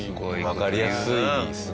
わかりやすいですね。